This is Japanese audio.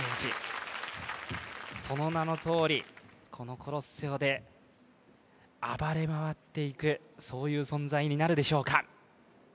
その名のとおりこのコロッセオで暴れまわっていくそういう存在になるでしょうか？